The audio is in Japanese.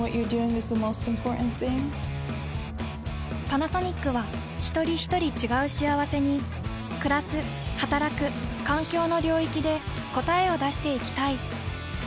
パナソニックはひとりひとり違う幸せにくらすはたらく環境の領域で答えを出していきたい。